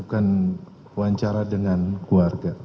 melakukan wawancara dengan keluarga